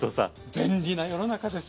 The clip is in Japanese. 便利な世の中です。